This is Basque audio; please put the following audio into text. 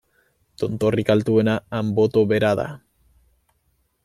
Tontorrik altuena Anboto bera da.